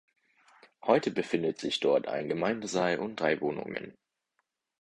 Heute befindet sich dort ein Gemeindesaal und drei Wohnungen.